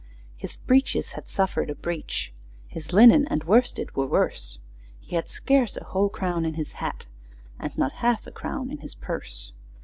His breeches had suffered a breach, His linen and worsted were worse; He had scarce a whole crown in his hat, And not half a crown in his purse.